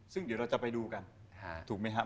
ซึ่งเดี๋ยวเราจะไปดูกันถูกไหมครับ